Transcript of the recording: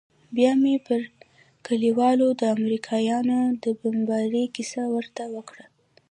بيا مې پر کليوالو د امريکايانو د بمبارۍ کيسه ورته وکړه.